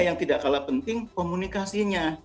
yang tidak kalah penting komunikasinya